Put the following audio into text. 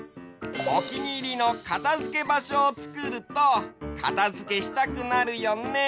おきにいりのかたづけばしょをつくるとかたづけしたくなるよね！